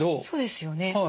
そうですよね